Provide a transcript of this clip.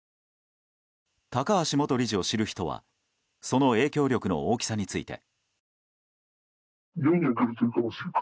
高橋元理事を知る人はその影響力の大きさについて。